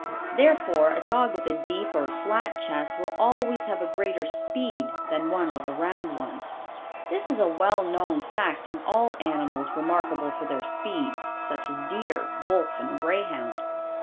Therefore, a dog with a deep or flat chest will always have a greater speed than one with a round one. This is a well known fact in all animals remarkable for their speed, such as deer, wolf and greyhound.